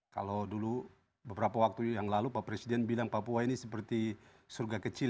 kalau dulu beberapa waktu yang lalu pak presiden bilang papua ini seperti surga kecil